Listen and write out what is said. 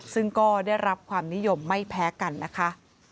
ซึ่งก็ได้รับความนิยมไม่แพ้กันนะคะ